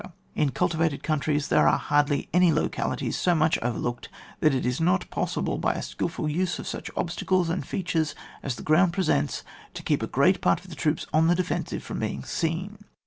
In cultivated countries there are hardly any localities so much overlooked that it is not possible by a skilful use of such obstacles and features as the ground presents, to keep a great part of the troops on the defensive from being seen.